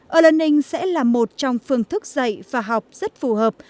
earning sẽ là một trong phương thức dạy và học rất phù hợp